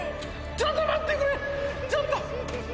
ちょっと待ってくれ、ちょっと。